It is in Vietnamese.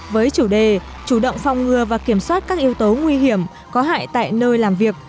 với chủ đề chủ động phòng ngừa và kiểm soát các yếu tố nguy hiểm có hại tại nơi làm việc